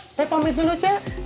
saya pamit dulu cek